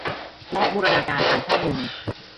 และบูรณาการฐานข้อมูล